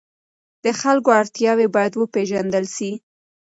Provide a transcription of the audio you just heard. د خلکو اړتیاوې باید وپېژندل سي.